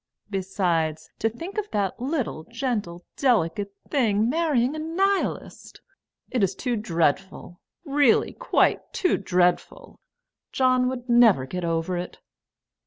Besides, to think of that little gentle, delicate thing marrying a Nihilist! It is too dreadful; really, quite too dreadful! John would never get over it!"